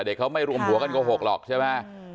เด็กเขาไม่รวมหัวกันโกหกหรอกใช่ไหม